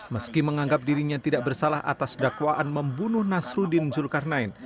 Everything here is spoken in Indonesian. meski menganggap dirinya tidak bersalah atas dakwaan membunuh nasruddin zulkarnain